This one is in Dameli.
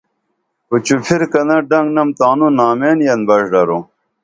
پچو پھرکنہ ڈنگنم تانوں نامین ین بݜ درو